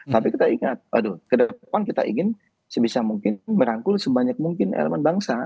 tapi kita ingat aduh ke depan kita ingin sebisa mungkin merangkul sebanyak mungkin elemen bangsa